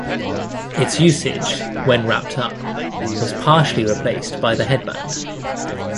Its usage, when wrapped up, was partially replaced by the headband.